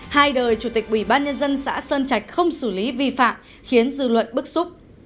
hai đời chủ tịch ủy ban nhân dân xã sơn trạch không xử lý vi phạm khiến dư luận bức xúc